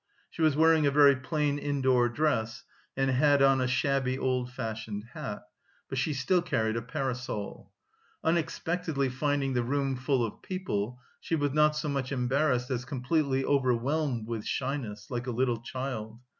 She was wearing a very plain indoor dress, and had on a shabby old fashioned hat, but she still carried a parasol. Unexpectedly finding the room full of people, she was not so much embarrassed as completely overwhelmed with shyness, like a little child.